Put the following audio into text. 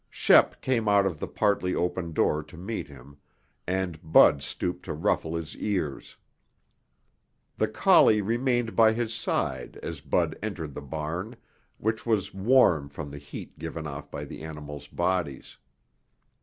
Shep came out of the partly open door to meet him, and Bud stooped to ruffle his ears. The collie remained by his side as Bud entered the barn, which was warm from the heat given off by the animals' bodies.